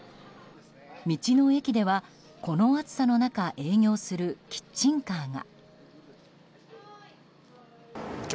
道の駅では、この暑さの中営業するキッチンカーが。